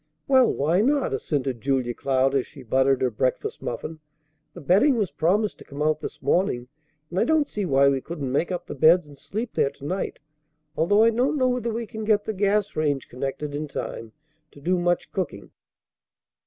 "Well, why not?" assented Julia Cloud as she buttered her breakfast muffin. "The bedding was promised to come out this morning, and I don't see why we couldn't make up the beds and sleep there to night, although I don't know whether we can get the gas range connected in time to do much cooking."